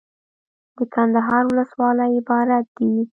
دکندهار ولسوالۍ عبارت دي.